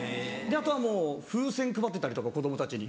あとはもう風船配ってたりとか子供たちに。